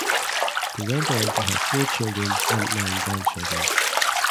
They went on to have four children and nine grandchildren.